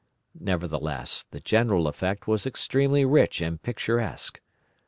Nevertheless, the general effect was extremely rich and picturesque.